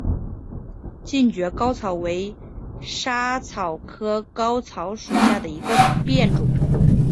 近蕨嵩草为莎草科嵩草属下的一个变种。